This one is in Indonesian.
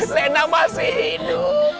lena masih hidup